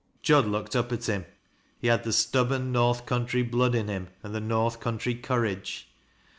Jud looked up at him. Pie had the stubborn North coun try blood in him, and the North country courage.